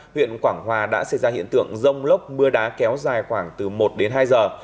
huyện quảng hòa đã xảy ra hiện tượng rông lốc mưa đá kéo dài khoảng từ một đến hai giờ